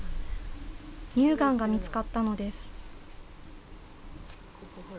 乳がんが見つかったのです。